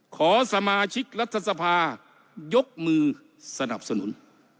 ขอสมาชิกรัฐสภายกมือสนับสนุน